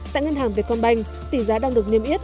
tại ngân hàng vietcombank tỉ giá đang được niêm yết